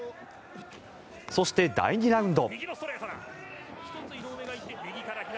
そして、第２ラウンド。